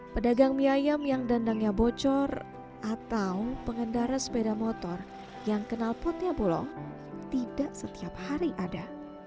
pedagang mie ayam yang dandangnya bocor atau pengendara sepeda motor yang kenal potnya bolong tidak setiap hari ada